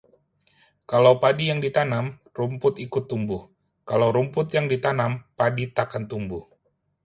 Kalau padi yang ditanam, rumput ikut tumbuh; Kalau rumput yang ditanam, padi takkan tumbuh